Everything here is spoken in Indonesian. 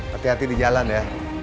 hati hati di jalan ya